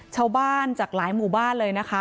ชาวบ้านจากหลายหมู่บ้านเลยนะคะ